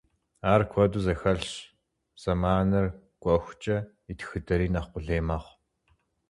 Ар куэду зэхэлъщ, зэманыр кӏуэхукӏэ и тхыдэри нэхъ къулей мэхъу.